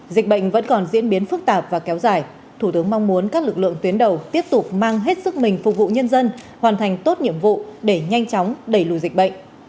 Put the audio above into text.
dịch bệnh vẫn còn diễn biến phức tạp và kéo dài thủ tướng mong muốn các lực lượng tuyến đầu tiếp tục mang hết sức mình phục vụ nhân dân hoàn thành tốt nhiệm vụ để nhanh chóng đẩy lùi dịch bệnh